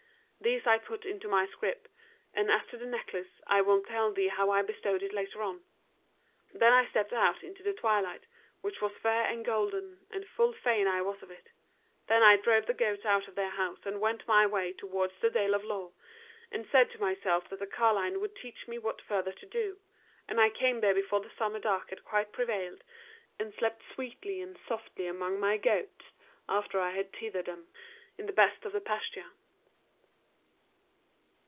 These I put into my scrip, and as to the necklace, I will tell thee how I bestowed it later on. Then I stepped out into the twilight which was fair and golden, and full fain I was of it. Then I drove the goats out of their house and went my way towards the Dale of Lore, and said to myself that the carline would teach me what further to do, and I came there before the summer dark had quite prevailed, and slept sweetly and softly amongst my goats after I had tethered them in the best of the pasture."